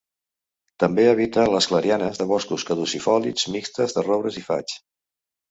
També habita les clarianes de boscos caducifolis mixtes de roures i faigs.